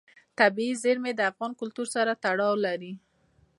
طبیعي زیرمې د افغان کلتور سره تړاو لري.